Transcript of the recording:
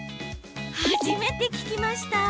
初めて聞きました。